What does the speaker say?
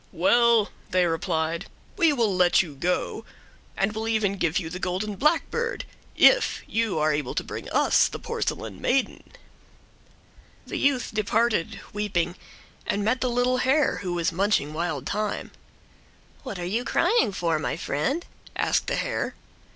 "Well," they replied, "we will let you go, and will even give you the golden blackbird if you are able to bring us the porcelain maiden." The youth departed, weeping, and met the little hare, who was munching wild thyme. "What are you crying for, my friend?" asked the hare.